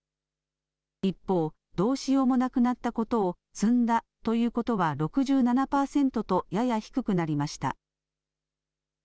一方、どうしようもなくなったことを詰んだと言うことは６７％とやや低くなりました。